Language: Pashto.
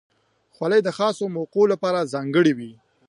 خولۍ د خاصو موقعو لپاره ځانګړې وي.